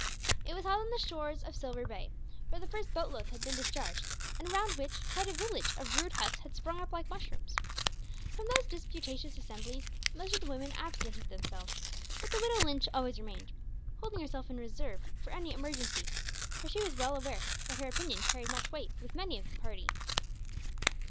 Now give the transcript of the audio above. It was held on the shores of Silver Bay, where the first boat loads had been discharged, and around which quite a village of rude huts had sprung up like mushrooms. From those disputatious assemblies most of the women absented themselves, but the widow Lynch always remained, holding herself in reserve for any emergency, for she was well aware that her opinion carried much weight with many of the party.